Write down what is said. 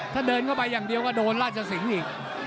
ถ้าเดินเข้าไปอย่างเดียวก็โดนราชสิงห์อีก